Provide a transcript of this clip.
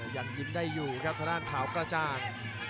ยังยิ้มได้อยู่ครับทางด้านขาวกระจ่าง